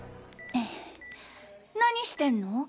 何してんの？